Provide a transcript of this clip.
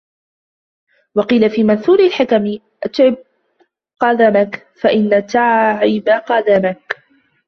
وَقِيلَ فِي مَنْثُورِ الْحِكَمِ أَتْعِبْ قَدَمَك ، فَإِنْ تَعِبَ قَدَّمَك